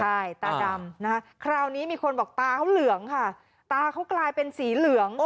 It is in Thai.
ใช่ตาดำนะคะคราวนี้มีคนบอกตาเขาเหลืองค่ะตาเขากลายเป็นสีเหลือง